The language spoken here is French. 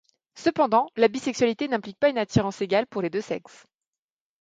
Cependant, la bisexualité n'implique pas une attirance égale pour les deux sexes.